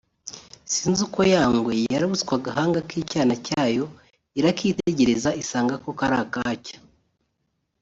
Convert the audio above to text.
sinzi uko ya ngwe yarabutswe agahanga k’icyana cyayo irakitegereza isanga koko ari akacyo